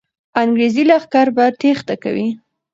انګریزي لښکر به تېښته کوي.